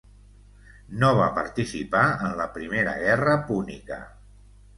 No va participar en la Primera Guerra Púnica.